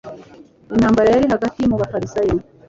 Intambara yari hagati mu bafarisayo,